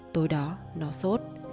tối đó nó sốt